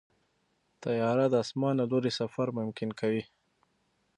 طیاره د اسمان له لارې سفر ممکن کوي.